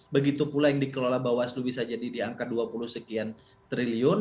begitu pula yang dikelola bawaslu bisa jadi di angka dua puluh sekian triliun